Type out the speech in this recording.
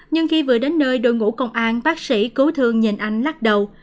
nhưng khi vừa đến nơi đội ngũ công an bác sĩ cứu thương nhìn anh lắc đầu